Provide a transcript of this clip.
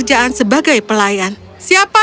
dan berteriak meminta kepadaku